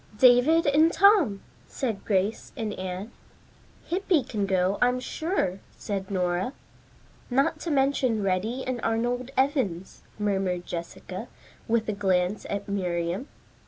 "David and Tom," said Grace and Anne. "Hippy can go, I'm sure," said Nora. "Not to mention Reddy and Arnold Evans," murmured Jessica, with a glance at Miriam.